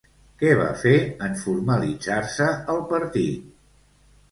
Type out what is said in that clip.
Què va fer en formalitzar-se el partit?